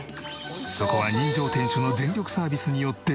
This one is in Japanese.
そこは人情店主の全力サービスによって大繁盛。